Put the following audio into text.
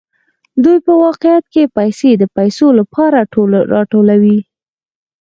دوی په واقعیت کې پیسې د پیسو لپاره راټولوي